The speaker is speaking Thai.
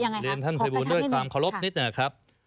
ยังไงครับขอประชาแม่นด้วยความขอรบนิดหน่อยครับ